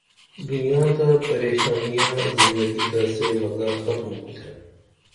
دنیا تہ پریشانیہ زندگی تہ سے مزہ ختُم کُتھے